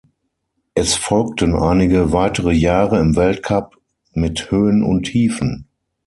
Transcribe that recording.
Es folgten einige weitere Jahre im Weltcup mit Höhen und Tiefen.